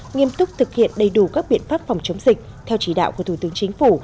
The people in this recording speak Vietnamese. nghiêm túc thực hiện đầy đủ các biện pháp phòng chống dịch theo chỉ đạo của thủ tướng chính phủ